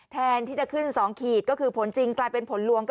แทนที่จะขึ้น๒ขีดก็คือผลจริงกลายเป็นผลลวง